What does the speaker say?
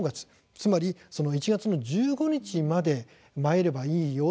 つまり１月１５日までに参ればいいよ